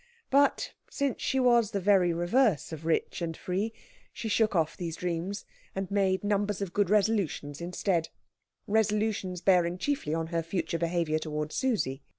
But, since she was the very reverse of rich and free, she shook off these dreams, and made numbers of good resolutions instead resolutions bearing chiefly on her future behaviour towards Susie.